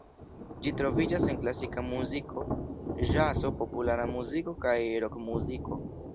Ĝi troviĝas en klasika muziko, ĵazo, populara muziko kaj rokmuziko.